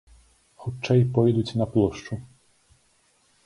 Хутчэй пойдуць на плошчу.